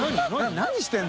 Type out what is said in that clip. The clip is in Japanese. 何してるの？